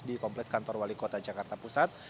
di kompleks kantor wali kota jakarta pusat